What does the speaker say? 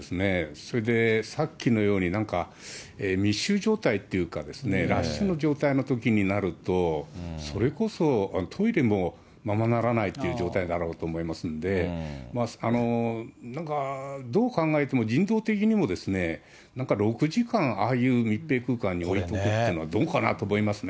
それでさっきのように、なんか、密集状態というか、ラッシュの状態のときになると、それこそトイレもままならないという状態だろうと思いますんで、なんか、どう考えても人道的にもなんか６時間、ああいう密閉空間に置いておくっていうのはどうかなと思いますね。